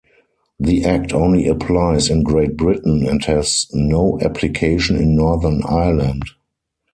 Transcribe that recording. The Act only applies in Great Britain and has no application in Northern Ireland.